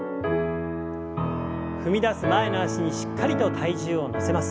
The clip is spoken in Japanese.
踏み出す前の脚にしっかりと体重を乗せます。